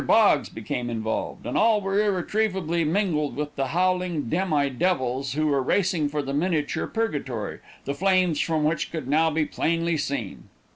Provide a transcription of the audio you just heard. Boggs became involved, and all were irretrievably mingled with the howling demi devils who were racing for the miniature purgatory, the flames from which could now be plainly seen.